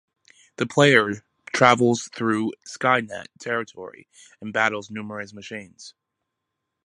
The player travels through Skynet territory and battles numerous machines.